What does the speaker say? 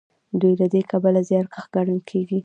دوی له دې کبله زیارکښ ګڼل کیږي.